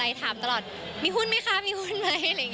ให้ได้โอเคดีสุดสำหรับทุกปลายค่ะ